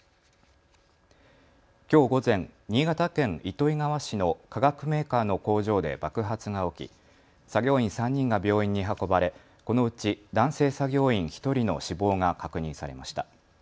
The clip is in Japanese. きょう午前、新潟県糸魚川市の化学メーカーの工場で爆発が起き作業員３人が病院に運ばれこのうち男性作業員１人の死亡が確認されました。